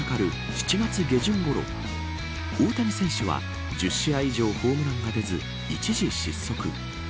７月下旬ごろ大谷選手は１０試合以上ホームランが出ず一時失速。